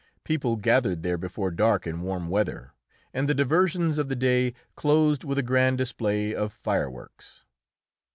People gathered there before dark in warm weather, and the diversions of the day closed with a grand display of fireworks.